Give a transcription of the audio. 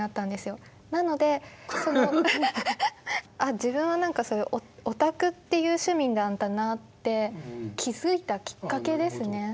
自分はそういうオタクっていう趣味なんだなあって気付いたきっかけですね。